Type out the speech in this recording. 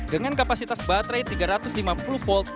dengan kapasitas baterai tiga ratus lima puluh volt